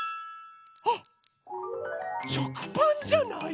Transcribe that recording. あっしょくパンじゃない？